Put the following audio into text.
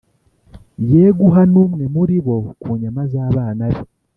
ye guha n umwe muri bo ku nyama z abana be